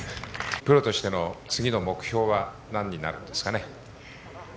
プロとしての次の目標は何になるんですかね。